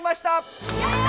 やった！